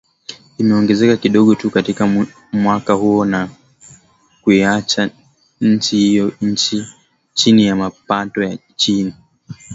limeongezeka kidogo tu katika mwaka huo na kuiacha nchi hiyo chini ya mapato ya chini